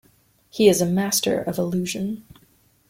He is a master of illusion.